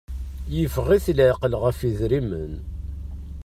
Yeffeɣ-it laɛqel ɣef idrimen.